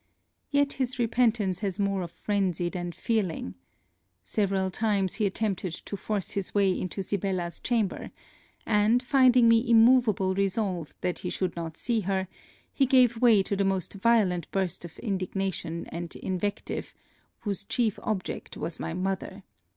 Yet his repentance has more of frenzy than feeling. Several times he attempted to force his way into Sibella's chamber; and, finding me immoveable resolved that he should not see her, he gave way to the most violent bursts of indignation and invective, whose chief object was my mother.